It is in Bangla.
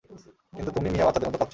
কিন্তু তুমি মিয়া বাচ্চাদের মতো কাঁদছ।